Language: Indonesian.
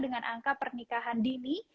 dengan angka pernikahan dini